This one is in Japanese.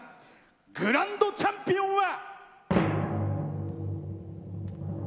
グランドチャンピオンは。